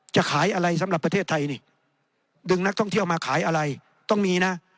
จะขายอะไรสำหรับประเทศไทยนี่ดึงนักท่องเที่ยวมาขายอะไรต้องมีนะ